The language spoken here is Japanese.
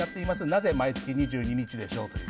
なぜ毎月２２日でしょう？という。